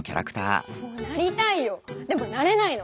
でもなれないの。